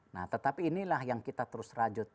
nah tetapi inilah yang kita terus rajut